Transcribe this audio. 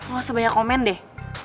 gak usah banyak komen deh